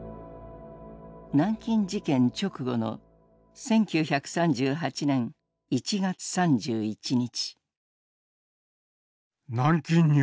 南京事件直後の１９３８年１月３１日。